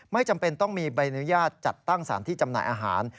ไม่จำเป็นต้องมีใบอนุญาตจัดตั้งสารที่จำหน่ายอาหาร